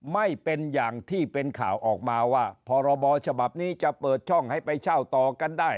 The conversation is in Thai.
ไม่เป็นอย่างที่เป็นข่าวออกมาว่าพรบฉบับนี้จะเปิดช่องให้ไปเช่าต่อกันได้